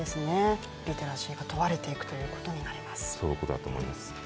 リテラシーが問われていくということになります。